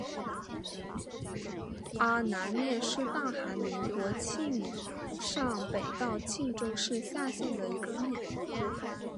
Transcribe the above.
阳南面是大韩民国庆尚北道庆州市下辖的一个面。